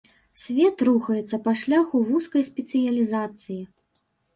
Свет рухаецца па шляху вузкай спецыялізацыі.